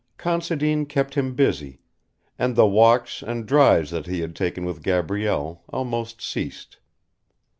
Considine kept him busy, and the walks and drives that he had taken with Gabrielle almost ceased.